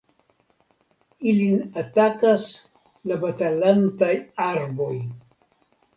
Ilin atakas la Batalantaj Arboj.